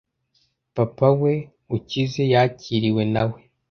Papa wa mbere ukize yakiriwe nawe